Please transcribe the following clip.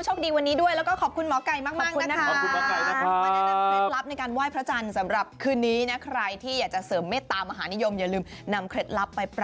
จ๊ะใช่ค่ะ